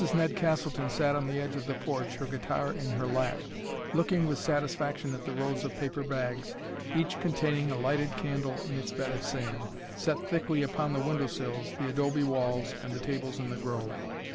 Ned Castleton sat on the edge of the porch, her guitar in her lap, looking with satisfaction at the rows of paper bags, each containing a lighted candle in its bed of sand, set thickly upon the window sills, the adobe walls, and the tables in the grove.